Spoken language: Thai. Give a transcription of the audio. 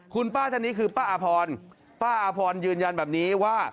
คุณป้าท่านนี้คือป้าอาพรป้าอาพรยืนยันแบบนี้ว่า